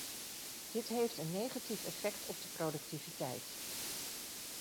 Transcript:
Dit heeft een negatief effect op de productiviteit.